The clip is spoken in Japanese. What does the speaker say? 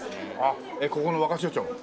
えっここの若社長？